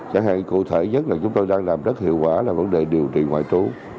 chẳng hạn cụ thể nhất là chúng tôi đang làm rất hiệu quả là vấn đề điều trị ngoại trú